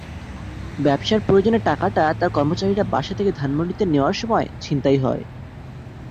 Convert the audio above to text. ব্যবসার প্রয়োজনে টাকাটা তাঁর কর্মচারীরা বাসা থেকে ধানমন্ডিতে নেওয়ার সময় ছিনতাই হয়।